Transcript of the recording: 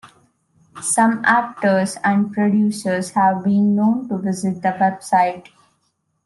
Some actors and producers have been known to visit the website.